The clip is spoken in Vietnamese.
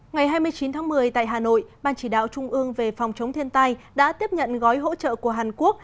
ngày hai mươi chín tháng một mươi tại hà nội ban chỉ đạo trung ương về phòng chống thiên tai đã tiếp nhận gói hỗ trợ của hàn quốc